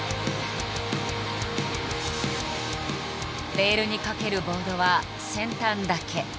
レールにかけるボードは先端だけ。